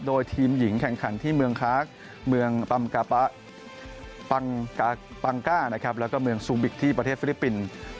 โดยทีมหญิงแข่งขันที่เมืองคลาสเมืองปังกะแล้วก็เมืองซูบิกที่ประเทศฟิลิปปินส์